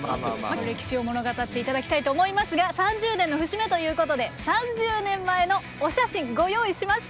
歴史を物語って頂きたいと思いますが３０年の節目ということで３０年前のお写真ご用意しました。